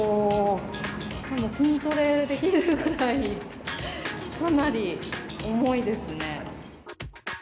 筋トレできるぐらいかなり重いですね。